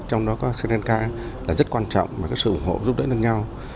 trong đó có sri lanka là rất quan trọng và cái sự ủng hộ giúp đỡ nhau